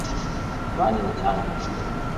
Wali mtamu.